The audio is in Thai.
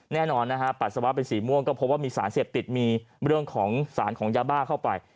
แน่นอนนะฮะปัสสาวะเป็นสีม่วงก็พบว่ามีสารเสพติดมีเรื่องของสารของยาบ้าเข้าไป